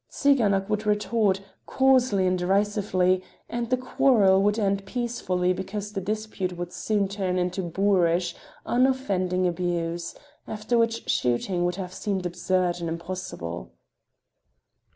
Tsiganok would retort, coarsely and derisively, and the quarrel would end peacefully because the dispute would soon turn into boorish, unoffending abuse, after which shooting would have seemed absurd and impossible.